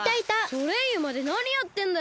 ソレイユまでなにやってんだよ？